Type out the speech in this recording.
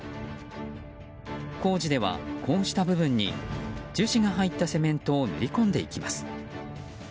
工事ではこうした部分に樹脂が入ったセメントを塗り込んでいきます。